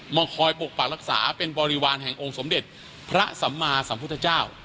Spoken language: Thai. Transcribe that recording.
มาคอยปกปักรักษาเป็นบริวารแห่งองค์สมเด็จพระสัมมาสัมพุทธเจ้า